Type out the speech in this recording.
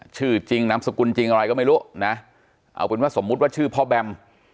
ชื่อจริงนามสกุลจริงอะไรก็ไม่รู้นะเอาเป็นว่าสมมุติว่าชื่อพ่อแบม